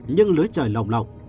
nhưng lưới trời lồng lọc